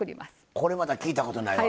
これまた聞いたことないわ。